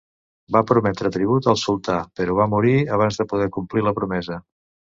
Va prometre tribut al Sultà, però va morir abans de poder complir la promesa.